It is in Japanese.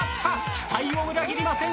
期待を裏切りません